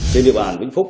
trên địa bàn vĩnh phúc